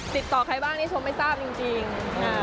ติดต่อใครบ้างนี่ชมไม่ทราบจริง